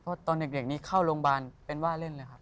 เพราะตอนเด็กนี้เข้าโรงพยาบาลเป็นว่าเล่นเลยครับ